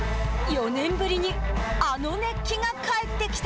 ４年ぶりにあの熱気が帰ってきた。